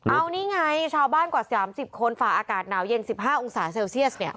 เอานี่ไงชาวบ้านกว่าสามสิบคนฝาอากาศหนาวเย็นสิบห้าองศาเซลเซลเซียสเนี่ย